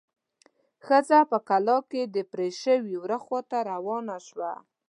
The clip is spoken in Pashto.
ښځه په کلا کې د پرې شوي وره خواته روانه شوه.